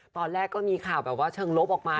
ตอนแรกก็มีข่าวแบบว่าเชิงลบออกมา